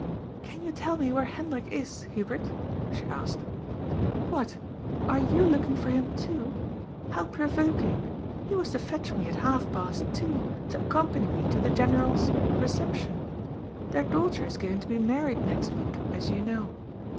"Can you teU me where Hendrik is, Hubert?" she asked. "What! are you looking for him too? How pro voking. He was to fetch me at half past two to accompany me to the General's reception. Their daughter is going to be married next week, as you know.